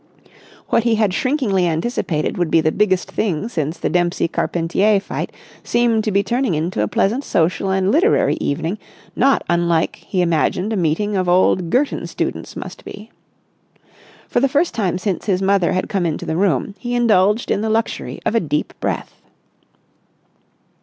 What he had shrinkingly anticipated would be the biggest thing since the Dempsey Carpentier fight seemed to be turning into a pleasant social and literary evening not unlike what he imagined a meeting of old Girton students must be. For the first time since his mother had come into the room he indulged in the luxury of a deep breath.